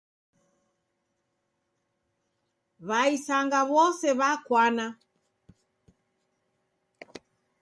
W'aisanga w'ose w'akwana.